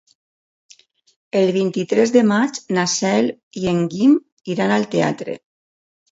El vint-i-tres de maig na Cel i en Guim iran al teatre.